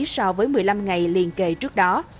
so với một mươi năm ngày liên kề trước đó